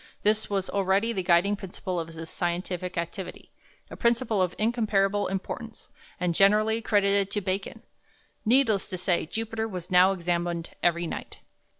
This was already the guiding principle of his scientific activity, a principle of incomparable importance, and generally credited to Bacon. Needless to say, Jupiter was now examined every night.